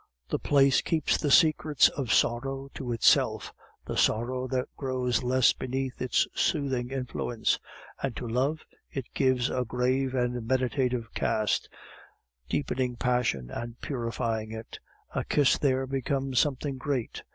The place keeps the secrets of sorrow to itself, the sorrow that grows less beneath its soothing influence; and to love, it gives a grave and meditative cast, deepening passion and purifying it. A kiss there becomes something great.